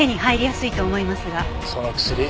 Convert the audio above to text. その薬